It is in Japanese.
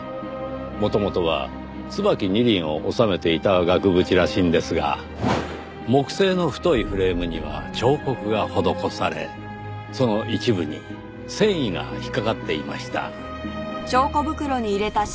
元々は『椿二輪』を収めていた額縁らしいんですが木製の太いフレームには彫刻が施されその一部に繊維が引っかかっていました。